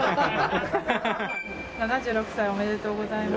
７６歳おめでとうございます。